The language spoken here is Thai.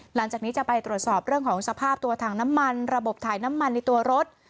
หลังจากนี้จะไปตรวจสอบเรื่องของสภาพตัวถังน้ำมันระบบถ่ายน้ำมันในตัวรถ